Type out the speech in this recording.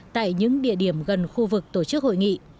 tại những địa điểm gần khu vực tổ chức hội nghị